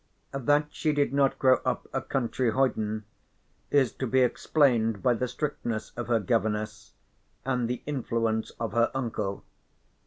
That she did not grow up a country hoyden is to be explained by the strictness of her governess and the influence of her uncle.